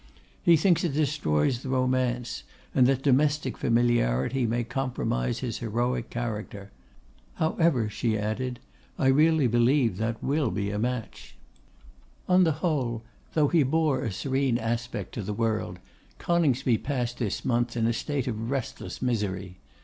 He thinks it destroys the romance; and that domestic familiarity may compromise his heroic character. However,' she added, 'I really believe that will be a match.' On the whole, though he bore a serene aspect to the world, Coningsby passed this month in a state of restless misery.